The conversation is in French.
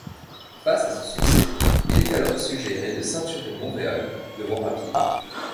Face à ce succès il est alors suggéré de ceinturer Montréal de voies rapides.